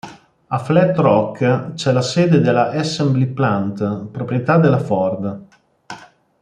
A Flat Rock c'è la sede della "Assembly Plant", proprietà della Ford.